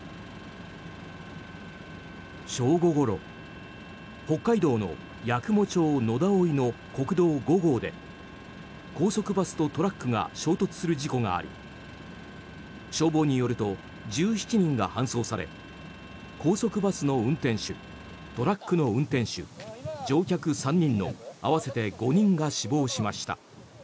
正午ごろ、北海道の八雲町野田生の国道５号で高速バスとトラックが衝突する事故があり消防によると１７人が搬送され高速バスの運転手トラックの運転手、乗客３人の合わせて５人が死亡しました。